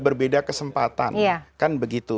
berbeda kesempatan kan begitu